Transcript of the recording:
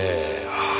ああ